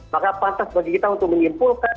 maka pantas bagi kita untuk menyimpulkan